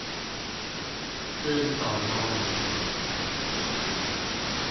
คืนก่อนนอน